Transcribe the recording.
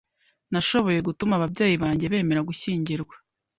Nashoboye gutuma ababyeyi banjye bemera gushyingirwa.